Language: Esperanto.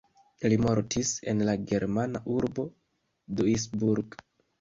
Li mortis en la germana urbo Duisburg.